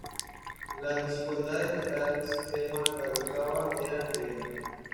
Las desigualdades que tal sistema causaba eran evidentes.